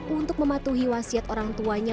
untuk mematuhi wasiat orang tuanya